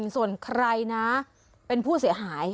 ส่วนใครนะเป็นผู้เสียหาย